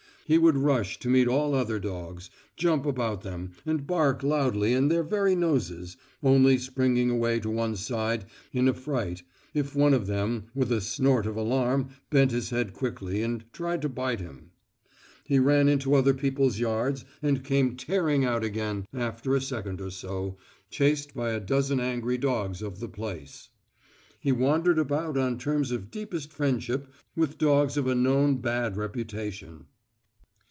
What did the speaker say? He would rush to meet all other dogs, jump about them and bark loudly in their very noses, only springing away to one side in affright if one of them with a snort of alarm bent his head quickly and tried to bite him. He ran into other people's yards and came tearing out again after a second or so, chased by a dozen angry dogs of the place. He wandered about on terms of deepest friendship with dogs of a known bad reputation.